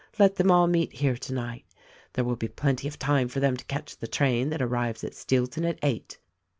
Let them all meet here tonight. There will be plenty of time for them to catch the train that arrives at Steelton at eight.